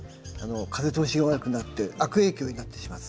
風通しが悪くなって悪影響になってしまいます。